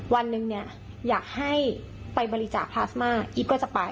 วันหนึ่งเนี่ยอยากให้ไปบริจาคพลาสมาอีฟก็จะไป